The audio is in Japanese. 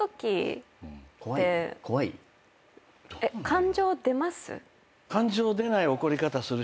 感情出ます？